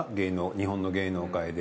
日本の芸能界で。